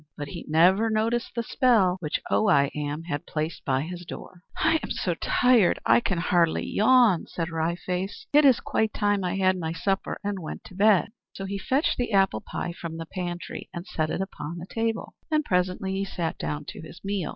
But he never noticed the spell which Oh I Am had placed by his door. The Strange Apple Pie "I am so tired, I can hardly yawn," said Wry Face. "It is quite time I had my supper, and went to bed." So he fetched the apple pie from the pantry, and set it upon the table; and presently he sat down to his meal.